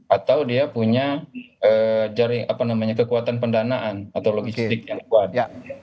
atau dia punya kekuatan pendanaan atau logistik yang kuat